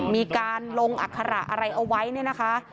มีการลงอัคระอะไรเอาไว้เนี่ยนะคะ